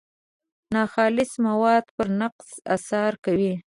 ناخالص مواد پر نقطې اثر کوي.